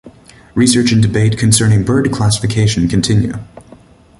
Research and debate concerning bird classification continue.